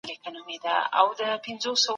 ځوانان يوازي په احساساتو نه سي پرمختګ کولی.